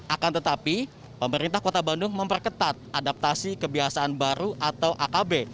akan tetapi pemerintah kota bandung memperketat adaptasi kebiasaan baru atau akb